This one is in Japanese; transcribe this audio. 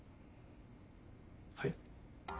はい。